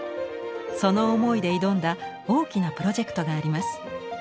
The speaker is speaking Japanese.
その思いで挑んだ大きなプロジェクトがあります。